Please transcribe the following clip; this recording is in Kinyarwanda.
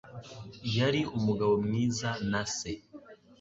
Yari umugabo mwiza na se.